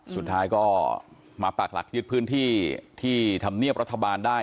สุดท้ายก็มาปากหลักยึดพื้นที่ที่ธรรมเนียบรัฐบาลได้